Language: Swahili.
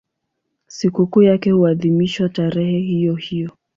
Sikukuu yake huadhimishwa tarehe hiyohiyo.